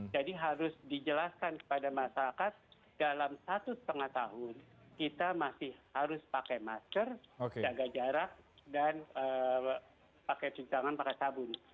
jadi harus dijelaskan kepada masyarakat dalam satu setengah tahun kita masih harus pakai masker jaga jarak dan pakai cincangan pakai sabun